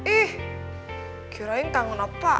ih kira kira kangen apa